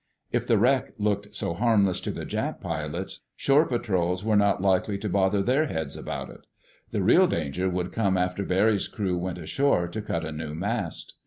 If the wreck looked so harmless to the Jap pilots, shore patrols were not likely to bother their heads about it. The real danger would come after Barry's crew went ashore to cut a new mast.